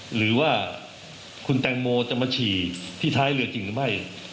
หรือว่าคุณแตงโมจะมาฉี่ที่ท้ายเรือจริงหรือไม่